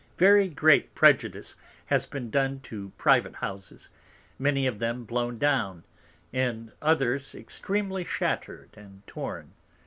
Very great Prejudice has been done to private Houses; many of them blown down, and others extreamly shattered and torn.